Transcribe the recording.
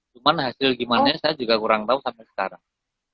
cuman hasil gimana saya juga kurang tahu sampai sekarang